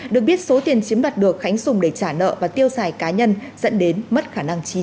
được biết số tiền chiếm đoạt được khánh dùng để trả nợ và tiêu xài cá nhân dẫn đến mất khả năng chi trả